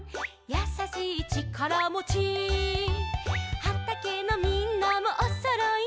「やさしいちからもち」「はたけのみんなもおそろいね」